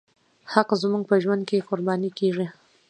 حق زموږ په ژوند کې قرباني کېږي.